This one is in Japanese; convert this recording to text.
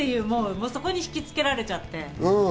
そこに引きつけられちゃって。